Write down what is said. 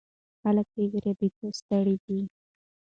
خلک له وارداتو ستړي دي.